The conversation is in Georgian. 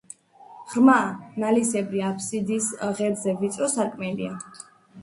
ღრმა, ნალისებრი აფსიდის ღერძზე ვიწრო სარკმელია.